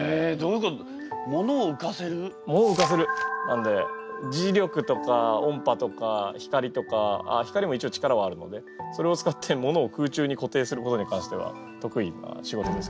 なんで磁力とか音波とか光とかあっ光も一応力はあるのでそれを使って物を空中に固定することに関しては得意な仕事です。